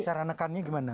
cara nekannya gimana